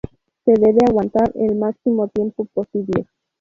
Se debe aguantar el máximo tiempo posible.